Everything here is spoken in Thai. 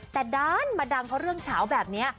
แดนมาดังเพราะเรื่องสาวแบบนี้